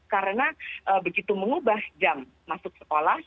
karena begitu mengubah jam masuk sekolah